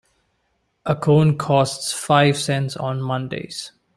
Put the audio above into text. A cone costs five cents on Mondays.